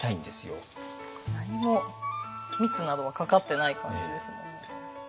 何も蜜などはかかってない感じですね。